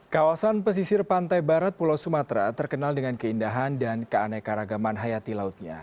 kawasan pesisir pantai barat pulau sumatera terkenal dengan keindahan dan keanekaragaman hayati lautnya